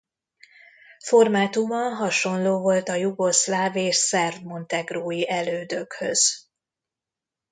Formátuma hasonló volt a jugoszláv és szerb-montegrói elődökhöz.